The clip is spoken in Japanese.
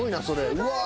うわ！